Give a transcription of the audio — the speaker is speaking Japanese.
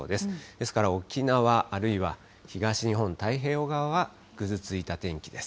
ですから沖縄、あるいは東日本太平洋側は、ぐずついた天気です。